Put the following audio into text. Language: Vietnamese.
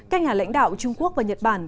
các nhà lãnh đạo trung quốc và nhật bản